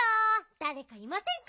だれかいませんか？